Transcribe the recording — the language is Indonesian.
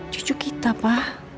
jujur kita pa